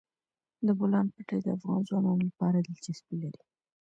د بولان پټي د افغان ځوانانو لپاره دلچسپي لري.